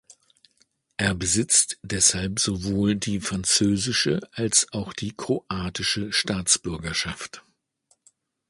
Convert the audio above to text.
Er besitzt deshalb sowohl die französische als auch die kroatische Staatsbürgerschaft.